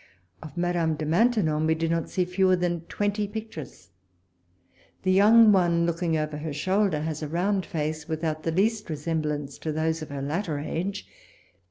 Of Madame de Maintenon we did not see fewer than twenty pictures. The young one looking over her shoulder has a round face, without the least resemblance to those of her latter age.